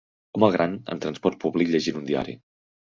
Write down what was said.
Home gran en transport públic llegint un diari.